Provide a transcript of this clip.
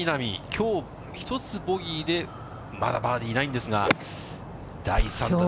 きょう１つボギーで、まだバーディーないんですが、第３打。